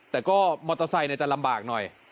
แต่ก็มอเตอร์ไซค์จะลำบากหน่อย